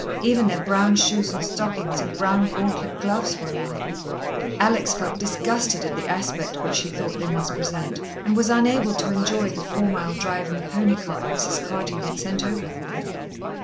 Even their brown shoes and stockings and brown gauntlet gloves were alike. Alex felt disgusted at the aspect which she thought they must present, and was unable to enjoy the four mile drive in the pony cart Mrs. Cardew had sent over for them.